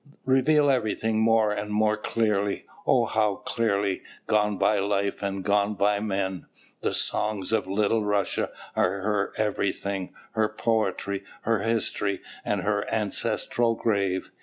reveal everything more and more clearly, oh, how clearly, gone by life and gone by men.... The songs of Little Russia are her everything, her poetry, her history, and her ancestral grave.